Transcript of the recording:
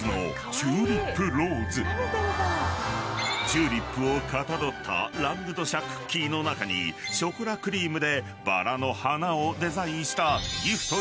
［チューリップをかたどったラングドシャクッキーの中にショコラクリームでバラの花をデザインした］